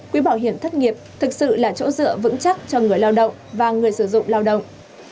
quỹ bảo hiểm thất nghiệp thực sự là chỗ dựa vững chắc cho người lao động và người sử dụng lao động